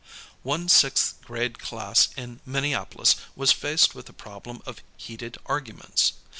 One sixth grade class in Minneapolis was faced with the problem of heated arguments.